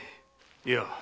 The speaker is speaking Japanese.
いや。